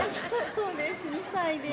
そうです、２歳です。